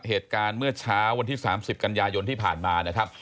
เหตุการณ์เมื่อเช้าวันที่๓๐กันยายนที่ผ่านมานะครับ